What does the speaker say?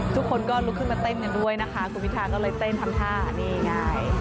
ทุกคนก็ลุกขึ้นมาเต้นคุณพิธาก็เลยเต้นทำท่า